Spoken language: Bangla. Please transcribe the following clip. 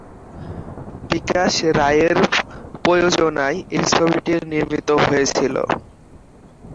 বিকাশ রায়ের প্রযোজনায় এই ছবিটি নির্মিত হয়েছিল।